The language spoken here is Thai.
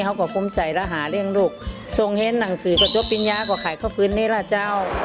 เขาก็ภูมิใจแล้วหาเลี้ยงลูกส่งเห็นหนังสือก็จบปิญญาก็ขายเข้าคืนนี้ล่ะเจ้า